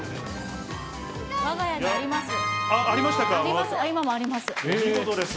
わが家にあります。